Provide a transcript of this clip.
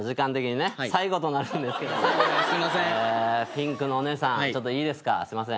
ピンクのお姉さんちょっといいですかすいません。